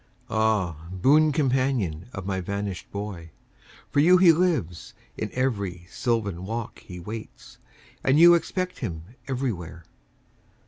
Ah, boon companion of my vanished boy. For you he lives; in every sylvan walk He waits; and you expect him everywhere.